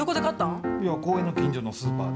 公園の近所のスーパーで。